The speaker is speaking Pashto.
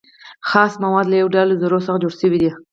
خالص مواد له يو ډول ذرو څخه جوړ سوي دي .